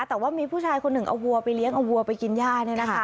แต่ว่ามีผู้ชายคนหนึ่งเอาวัวไปเลี้ยงเอาวัวไปกินย่า